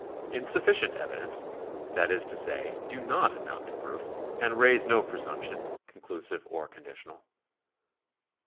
Insufficient evidence — that is to say, do not amount to proof, and raise no presumption, conclusive or con ditional ; 4.